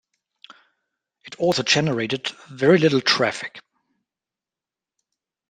It also generated very little traffic.